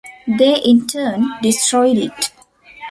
They in turn destroyed it.